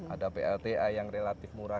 ada plta yang relatif murah